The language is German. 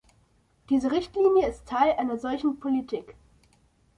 Diese Richtlinie ist Teil einer solchen Politik.